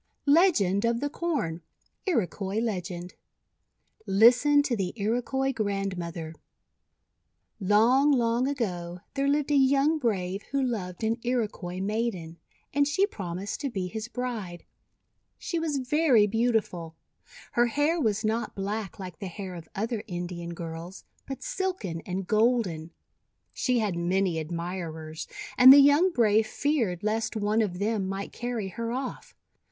LEGEND OF THE CORN Iroquois Legend LISTEN to the Iroquois Grandmother: — Long, long ago, there lived a young brave who loved an Iroquois maiden, and she promised to 382 THE WONDER GARDEN be his bride. She was very beautiful. Her hair was not black like the hair of other Indian girls, but silken and golden. She had many admirers, and the young brave feared lest one of them might carry her off.